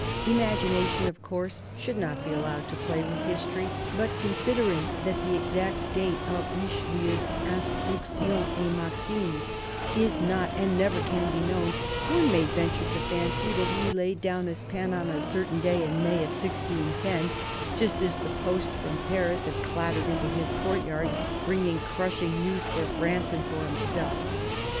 Imagination, of course, should not be allowed to play with history : but considering that the exact date of Richelieu's " Instructions et Maximes " is not and never can be known, one may venture to fancy that he laid down his pen on a certain day in May 1610, just as the post from Paris had clattered into his courtyard, bringing crushing news for France and for himself.